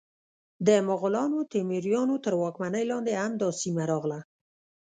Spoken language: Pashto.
د مغولانو، تیموریانو تر واکمنۍ لاندې هم دا سیمه راغله.